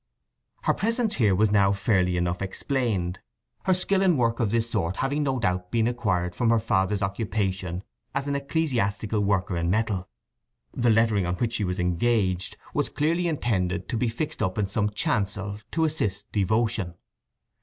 Her presence here was now fairly enough explained, her skill in work of this sort having no doubt been acquired from her father's occupation as an ecclesiastical worker in metal. The lettering on which she was engaged was clearly intended to be fixed up in some chancel to assist devotion.